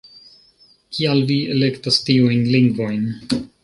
Kial vi elektas tiujn lingvojn?